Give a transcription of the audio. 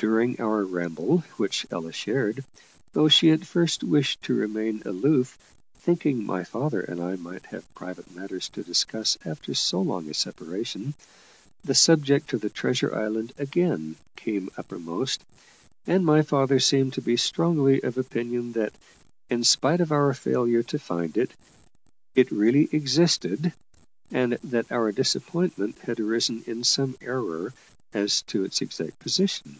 During our ramble, which Ella shared though she at first wished to remain aloof, thinking my father and I might have private matters to discuss after so long a separation the subject of the treasure island again came uppermost; and my father seemed to be strongly of opinion that, in spite of our failure to find it, it really existed, and that our disappointment had arisen in some error as to its exact position.